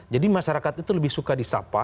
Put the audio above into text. jadi masyarakat itu lebih suka disapa